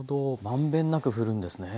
まんべんなくふるんですね。